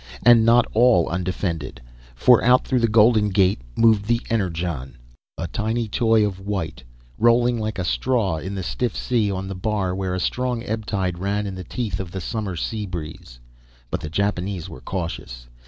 And not all undefended, for out through the Golden Gate moved the Energon, a tiny toy of white, rolling like a straw in the stiff sea on the bar where a strong ebb tide ran in the teeth of the summer sea breeze. But the Japanese were cautious.